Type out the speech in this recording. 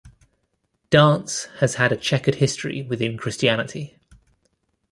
Dance has had a chequered history within Christianity.